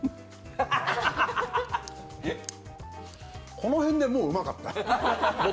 この辺でもううまかった。